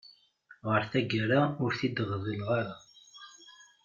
Ɣer tagara ur t-id-ɣḍileɣ ara.